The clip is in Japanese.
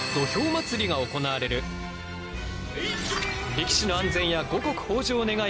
力士の安全や五穀豊穣を願い